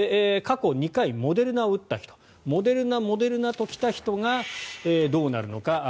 過去２回、モデルナを打った人モデルナ、モデルナと来た人がどうなるのか。